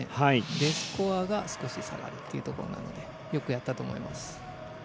Ｄスコアが少し下がるというところなのでよくやったと思います。